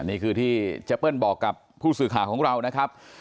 นี่คือที่เจเปิ้ลบอกกับผู้สื่อข่าวของเรานะครับ